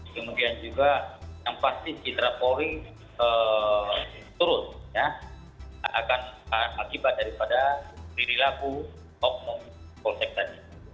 kemudian juga yang pasti citra poli turut akan akibat daripada diri laku hukum polsek tadi